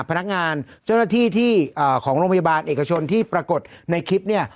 พนักงานเจ้าหน้าที่ที่ของโรงพยาบาลเอกชนที่ปรากฏในคลิปเนี่ย